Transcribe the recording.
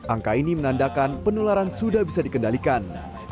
angka ini menandakan penularan sudah bisa dikendalikan